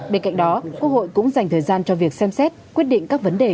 bên cạnh đó quốc hội cũng dành thời gian cho việc xem xét quyết định các vấn đề